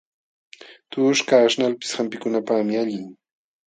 Tuqushkaq aśhnalpis hampikunapaqmi allin.